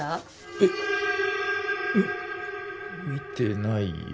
えっみ見てないよ